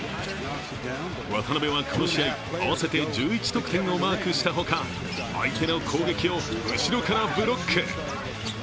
渡邊はこの試合、合わせて１１得点をマークしたほか、相手の攻撃を後ろからブロック。